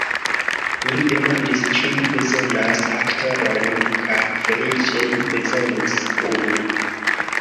Mi demandis, ĉu li bezonas aktorojn kaj feliĉe li bezonis unu.